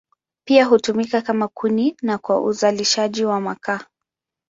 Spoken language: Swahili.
Pia hutumika kama kuni na kwa uzalishaji wa makaa.